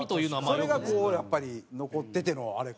それがこうやっぱり残っててのあれか。